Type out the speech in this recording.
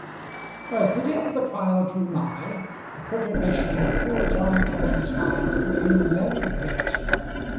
As the day of the trial drew nigh, the perturbation of poor John Kenneby's mind became very great.